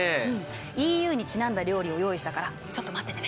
ＥＵにちなんだ料理を用意したからちょっと待っててね。